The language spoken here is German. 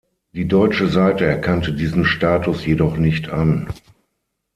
Die deutsche Seite erkannte diesen Status jedoch nicht an.